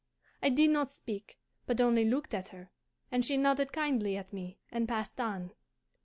I did not speak, but only looked at her, and she nodded kindly at me and passed on.